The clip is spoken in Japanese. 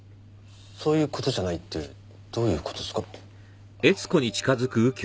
そういう事じゃないってどういう事っすか？